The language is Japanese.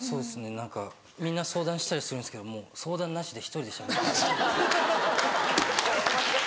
何かみんな相談したりするんですけど相談なしで１人でしゃべってる。